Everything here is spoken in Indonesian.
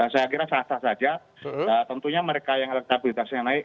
saya kira sah sah saja tentunya mereka yang elektabilitasnya naik